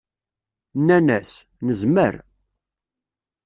Nnan-as: Nezmer.